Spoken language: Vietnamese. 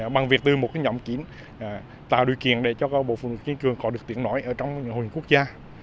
bằng việc từ một nhóm kiến tạo điều kiện để cho các bộ phụ nữ kinh cường có được tiện nổi ở trong hội quốc gia